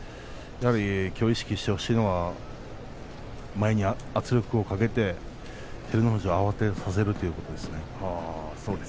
きょう意識してほしいのは前に圧力をかけて照ノ富士を慌てさせるということですね。